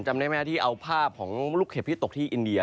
จำได้ไหมที่เอาภาพของลูกเห็บที่ตกที่อินเดีย